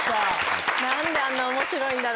何であんな面白いんだろ。